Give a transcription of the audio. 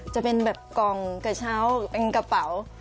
จะเป็นแบบกล่องกระเช้าเป็นกระเป๋า